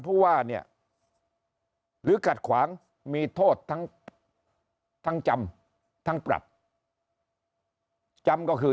ผู้ว่าเนี่ยหรือขัดขวางมีโทษทั้งจำทั้งปรับจำก็คือ